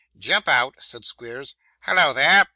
'Jump out,' said Squeers. 'Hallo there!